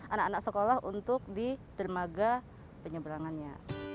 anak anak sekolah untuk di dermaga penyeberangannya